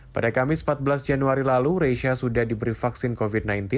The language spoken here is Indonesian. pada kamis empat belas januari lalu reisha sudah diberi vaksin covid sembilan belas